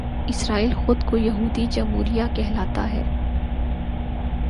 اسرائیل خود کو یہودی جمہوریہ کہلاتا ہے